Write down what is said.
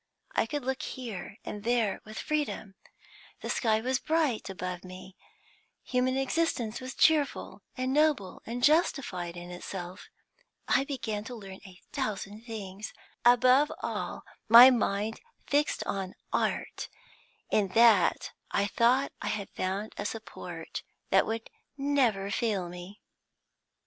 I could look here and there with freedom; the sky was bright above me; human existence was cheerful and noble and justified in itself. I began to learn a thousand things. Above all, my mind fixed on Art; in that I thought I had found a support that would never fail me.